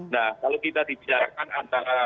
nah kalau kita dibicarakan antara